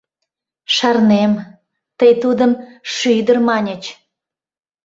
Шарнем, тый тудым шӱдыр маньыч.